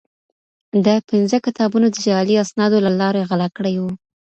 ده پنځه کتابونه د جعلي اسنادو له لارې غلا کړي وو.